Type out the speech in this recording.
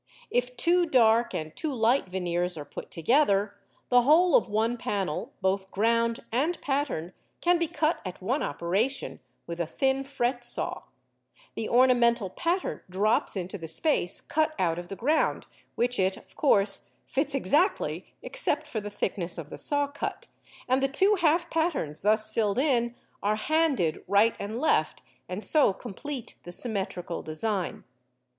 If two dark and two light veneers are put together, the whole of one panel, both ground and pattern, can be cut at one operation with a thin fret saw; the ornamental pattern drops into the space cut out of the ground, which it, of course, fits exactly except for the thickness of the saw cut, and the two half patterns thus filled in are "handed" right and left, and so complete the symmetrical design.